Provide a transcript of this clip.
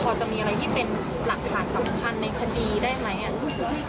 พอจะมีอะไรที่เป็นหลักฐานสำคัญในคดีได้ไหม